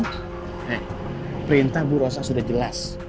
nah perintah bu rosa sudah jelas